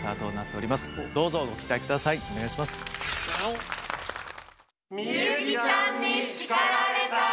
お願いします。